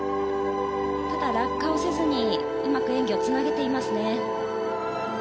ただ、落下をせずにうまく演技をつなげていますね。